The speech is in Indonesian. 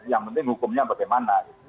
yang penting hukumnya bagaimana